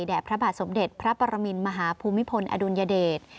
พระบาทสมเด็จพระปรมินมหาภูมิพลอดุลยเดช